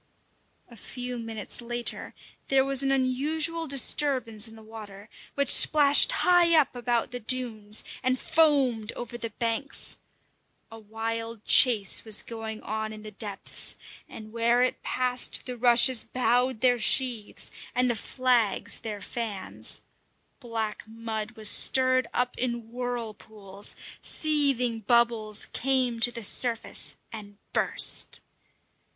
A few minutes later there was an unusual disturbance in the water, which splashed high up about the dunes and foamed over the banks. A wild chase was going on in the depths, and where it passed the rushes bowed their sheaves and the flags their fans. Black mud was stirred up in whirlpools; seething bubbles came to the surface and burst.